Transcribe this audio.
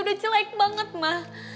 udah jelek banget ma